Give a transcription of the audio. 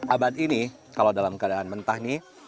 ubi ini kalau dalam keadaan mentah ini